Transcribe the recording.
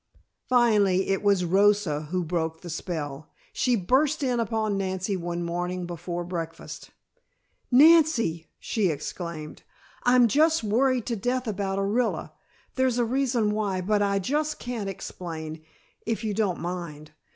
Finally, it was Rosa who broke the spell. She burst in upon Nancy one morning before breakfast. "Nancy!" she exclaimed, "I'm just worried to death about Orilla. There's a reason why, but I just can't explain, if you don't mind.